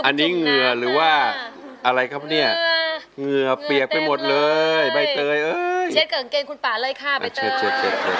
เช็ดเกิงเกงคุณปาเลยค่ะบ๊ายเตย